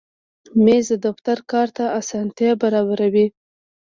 مېز د دفتر کار ته اسانتیا برابروي.